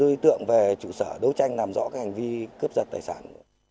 đối tượng về chủ sở đấu tranh làm rõ hành vi cướp giật tài sản